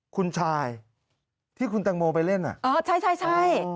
คุณชายที่คุณแตงโมไปเล่นอ่ะอ๋อใช่ใช่